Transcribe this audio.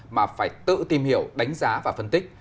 mà phải tự tìm hiểu đánh giá và phân tích